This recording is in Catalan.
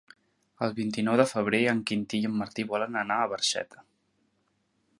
El vint-i-nou de febrer en Quintí i en Martí volen anar a Barxeta.